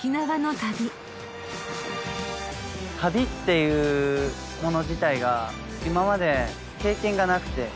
旅っていうもの自体が今まで経験がなくて。